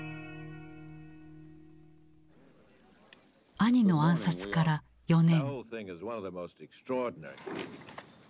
兄の暗殺から４年。